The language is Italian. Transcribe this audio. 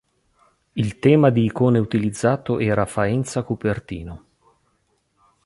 Il tema di icone utilizzato era "Faenza Cupertino".